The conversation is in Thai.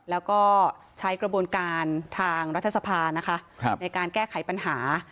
แล้วก็ใช้กระบวนการทางรัฐสภานะคะในการแก้ไขปัญหา